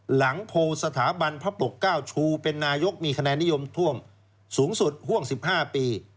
หลังโพลสถาบันพระปกเก้าชูเป็นนายกมีคะแนนนิยมท่วมสูงสุดห่วง๑๕ปี